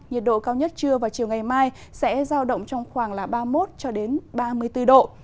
nhiệt độ cao nhất trưa và chiều ngày mai sẽ giao động trong khoảng ba mươi một cho đến ba mươi bốn độ